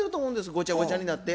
ごちゃごちゃになって。